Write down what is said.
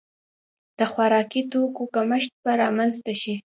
د خوراکي توکو کمښت به رامنځته شي.